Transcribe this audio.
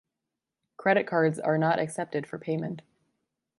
Credit cards are not accepted for payment.